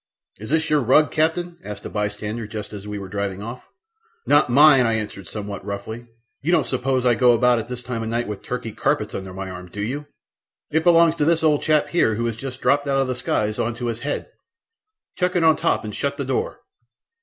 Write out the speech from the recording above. "Is this your rug, captain?" asked a bystander just as we were driving off. "Not mine," I answered somewhat roughly. "You don't suppose I go about at this time of night with Turkey carpets under my arm, do you? It belongs to this old chap here who has just dropped out of the skies on to his head; chuck it on top and shut the door!"